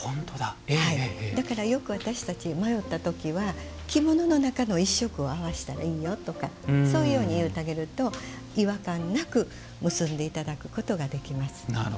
だから、よく私たち迷ったときは着物の中の１色を合わせたらいいよとかそういうように言ってあげると違和感なく結んでいただくことができます。